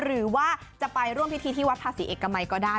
หรือว่าจะไปร่วมพิธีที่วัดภาษีเอกมัยก็ได้